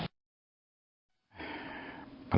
ลูกชายวัย๑๘ขวบบวชหน้าไฟให้กับพุ่งชนจนเสียชีวิตแล้วนะครับ